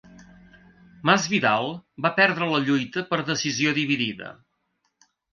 Masvidal va perdre la lluita per decisió dividida.